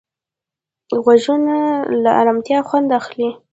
غوږونه له ارامتیا خوند اخلي